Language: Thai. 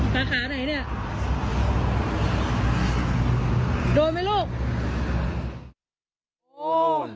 ไป